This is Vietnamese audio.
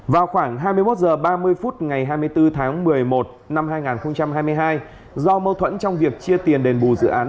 vào khoảng hai mươi một h ba mươi phút ngày hai mươi bốn tháng một mươi một năm hai nghìn hai mươi hai do mâu thuẫn trong việc chia tiền đền bù dự án